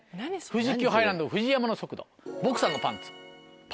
富士急ハイランドのＦＵＪＩＹＡＭＡの速度。